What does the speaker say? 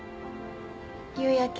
夕焼け。